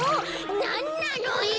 なんなのよ！